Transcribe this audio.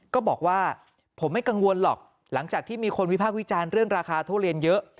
ก็บอกว่าผมไม่กังวลหรอกหลังจากที่มีคนวิพากษ์วิจารณ์เรื่องราคาทุเรียนเยอะ